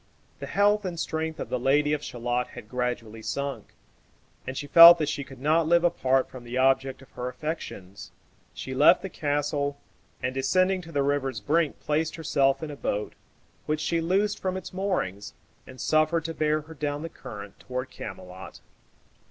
The health and strength of the Lady of Shalott had gradually sunk, and she felt that she could not live apart from the object of her affections. She left the castle, and descending to the river's brink placed herself in a boat, which she loosed from its moorings, and suffered to bear her down the current toward Camelot.